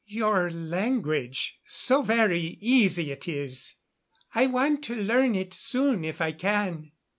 "Your language so very easy it is. I want to learn it soon if I can."